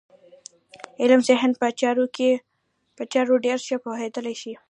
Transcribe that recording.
علم ذهن په چارو ډېر ښه پوهېدلی شي.